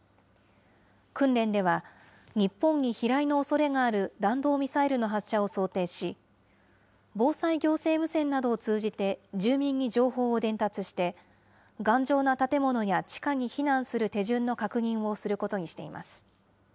訓練では、日本に飛来のおそれがある弾道ミサイルの発射を想定し、防災行政無線などを通じて住民に情報を伝達して、頑丈な建物や地下に避難する手順の確認をすることにしています。